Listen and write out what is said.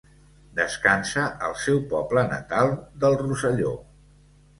Descansa al seu poble natal del Rosselló.